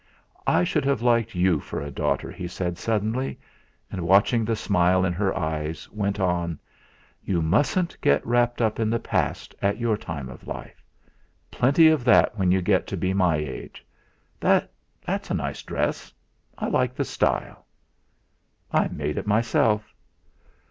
"I should have liked you for a daughter," he said suddenly; and watching the smile in her eyes, went on: "You mustn't get wrapped up in the past at your time of life; plenty of that when you get to my age. That's a nice dress I like the style." "I made it myself."